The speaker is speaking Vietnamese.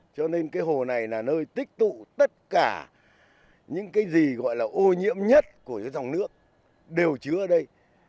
cho nên cái hồ này là nơi tích tụ tất cả những cái gì gọi là ô nhiễm nhất của cái dòng nước đều chứa ở đây